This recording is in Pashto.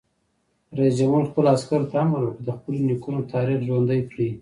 رئیس جمهور خپلو عسکرو ته امر وکړ؛ د خپلو نیکونو تاریخ ژوندی کړئ!